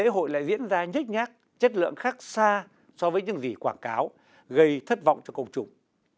lễ hội lại diễn ra nhét nhát chất lượng khác xa so với những gì quảng cáo gây thất vọng cho cộng trùng